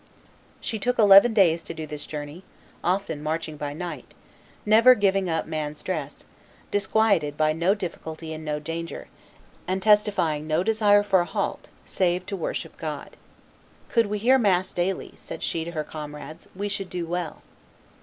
She took eleven days to do this journey, often marching by night, never giving up man's dress, disquieted by no difficulty and no danger, and testifying no desire for a halt save to worship God. "Could we hear mass daily," said she to her comrades, "we should do well."